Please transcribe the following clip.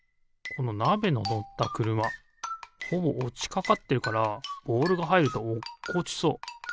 このなべののったくるまほぼおちかかってるからボールがはいるとおっこちそう。